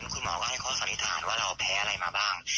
คุณหมอก็ให้ข้อสันนิษฐานว่าเราแพ้อะไรมาบ้าง